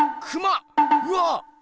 うわっ！